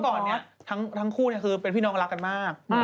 ก็คือเมื่อก่อนทั้งคู่เป็นพี่น้องรักกันมาก